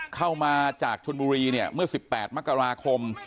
เข้ามาจากชนบุรีเนี่ยเมื่อ๑๘มกราคม